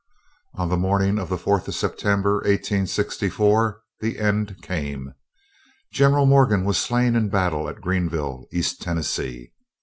On the morning of the 4th of September, 1864, the end came. General Morgan was slain in battle at Greenville, East Tennessee.